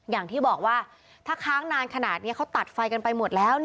อย่างที่บอกว่าถ้าค้างนานขนาดนี้เขาตัดไฟกันไปหมดแล้ว